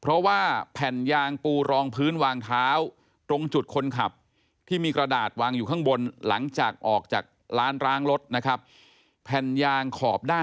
เพราะว่าแผ่นยางปูรองพื้นวางเท้าตรงจุดคนขับที่มีกระดาษวางอยู่ข้างบนหลังจากออกจากร้านล้างรถนะครับแผ่นยางขอบด้า